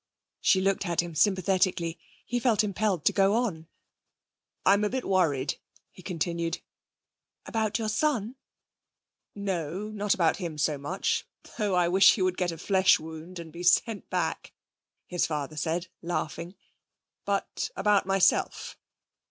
She looked at him sympathetically. He felt impelled to go on. 'I'm a bit worried,' he continued. 'About your son?' 'No, not about him so much, though I wish he would get a flesh wound and be sent back,' his father said, laughing. 'But about myself.'